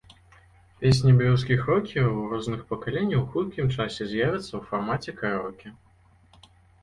Песні беларускіх рокераў розных пакаленняў у хуткім часе з'явяцца ў фармаце караоке.